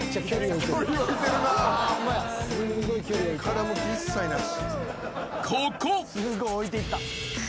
絡む気一切なし。